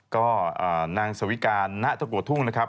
ก็นางสวิการณตะกัวทุ่งนะครับ